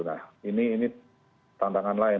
nah ini tantangan lain